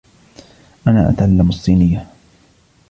أنا أتعلّم الصّينيّة.